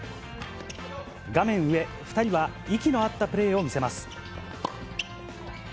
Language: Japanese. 画面上、２人は息の合ったプレーを見せます。